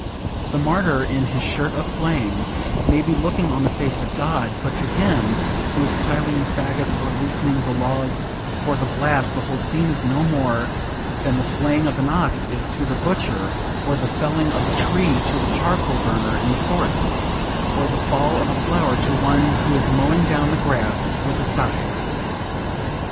The martyr in his 'shirt of flame' may be looking on the face of God, but to him who is piling the faggots or loosening the logs for the blast the whole scene is no more than the slaying of an ox is to the butcher, or the felling of a tree to the charcoal burner in the forest, or the fall of a flower to one who is mowing down the grass with a scythe.